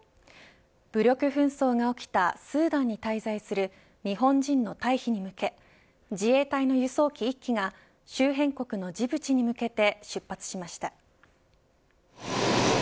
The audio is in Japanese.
武力紛争が起きたスーダンに滞在する日本人の退避に向け自衛隊の輸送機１機が周辺国のジブチに向けて出発しました。